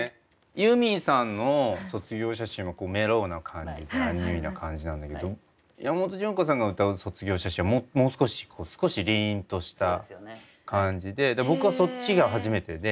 ユーミンさんの「卒業写真」はメロウな感じアンニュイな感じなんだけど山本潤子さんが歌う「卒業写真」はもう少し少しりんとした感じで僕はそっちが初めてで。